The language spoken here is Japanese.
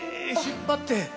引っ張って。